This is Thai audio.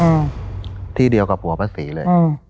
อืมที่เดียวกับหัวพระศรีเลยอืม